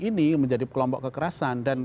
ini menjadi kelompok kekerasan dan